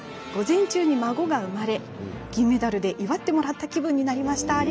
午前中に孫が産まれ金メダルで祝ってもらった気分になりました。